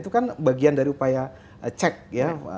itu kan bagian dari upaya cek ya